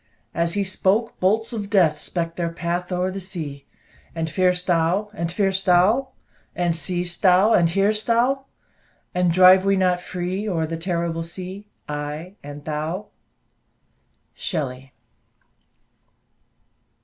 As he spoke, bolts of death Speck'd their path o'er the sea. "And fear'st thou, and fear'st thou? And see'st thou, and hear'st thou? And drive we not free O'er the terrible sea, I and thou?" SHELLEY.